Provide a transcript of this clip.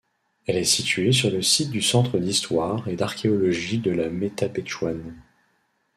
Elle est située sur le site du centre d'histoire et d'archéologie de la Métabetchouane.